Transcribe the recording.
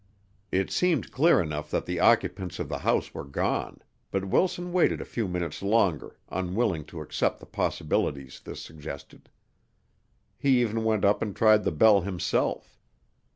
It seemed clear enough that the occupants of the house were gone, but Wilson waited a few minutes longer, unwilling to accept the possibilities this suggested. He even went up and tried the bell himself.